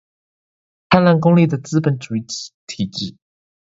貪婪功利的資本主義體制